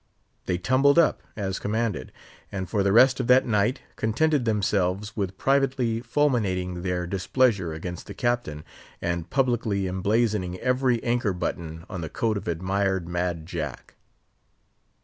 They tumbled up, as commanded; and for the rest of that night contented themselves with privately fulminating their displeasure against the Captain, and publicly emblazoning every anchor button on the coat of admired Mad jack.